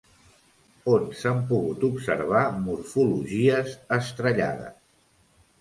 On s'han pogut observar morfologies estrellades?